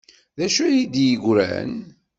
D acu ay d-yeggran?